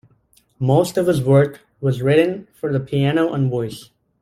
Most of his work was written for the piano and voice.